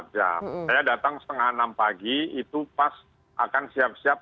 saya datang setengah enam pagi itu pas akan siap siap